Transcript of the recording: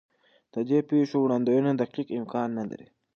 د دې پېښو وړاندوینه دقیق امکان نه لري.